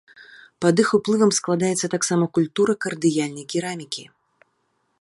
Пад іх уплывам складаецца таксама культура кардыяльнай керамікі.